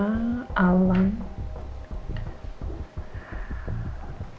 terima kasih miing